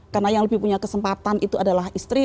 karena yang lebih punya kesempatan itu adalah istri